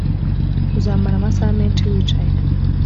uzamara amasaha menshi wicaye